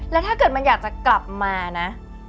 แล้วถ้าเกิดมันอยากจะกลับมานะ